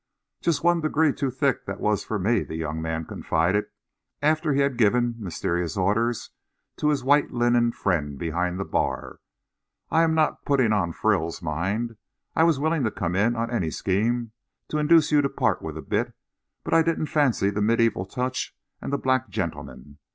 "Just one degree too thick that was for me," the young man confided, after he had given mysterious orders to his white linened friend behind the bar. "I am not putting on frills, mind. I was willing to come in on any scheme to induce you to part with a bit, but I didn't fancy the medieval touch and the black gentleman.